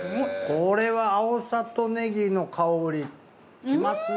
これはあおさと葱の香りきますね